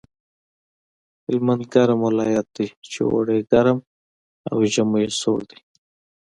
هلمند ګرم ولایت دی چې اوړی یې ګرم او ژمی یې سوړ دی